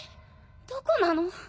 どこなの？